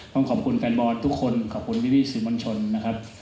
ต้องขอบคุณแฟนบอลทุกคนขอบคุณพี่สื่อมวลชนนะครับ